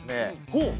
ほう？